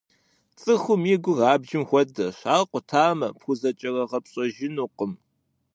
ЦӀыхум и гур абджым хуэдэщ, ар къутамэ, пхузэкӀэрыгъэпщӀэжынукъым.